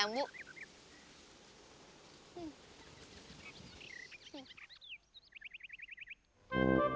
aku ada pendukung buatasing